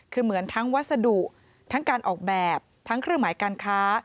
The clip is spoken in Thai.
คือเหมือนทั้งวัสดุทั้งการออกแบบทั้งเครื่องหมายการค้า